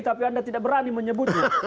tapi anda tidak berani menyebutnya